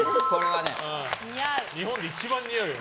○！日本で一番似合うよ。